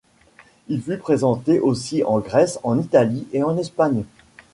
Il fut présenté aussi en Grèce, en Italie et en Espagne.